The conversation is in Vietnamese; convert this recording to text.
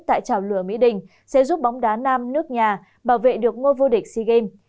tại trào lửa mỹ đình sẽ giúp bóng đá nam nước nhà bảo vệ được ngôi vô địch sea games